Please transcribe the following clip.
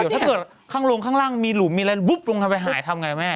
ถ้าเกิดข้างลงข้างล่างมีหลุมมีอะไรบุ๊บลงไปหายทำอย่างไรแม่